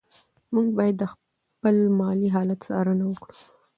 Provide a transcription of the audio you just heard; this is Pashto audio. موږ باید د خپل مالي حالت څارنه وکړو.